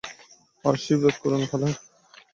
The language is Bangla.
আশীর্বাদ করুন খালা।